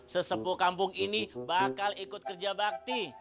sesepuh kampung ini bakal ikut kerja bakti